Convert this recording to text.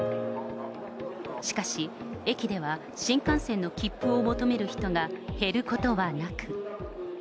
しかし、駅では新幹線の切符を求める人が減ることはなく。